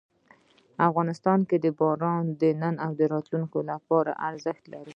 افغانستان کې باران د نن او راتلونکي لپاره ارزښت لري.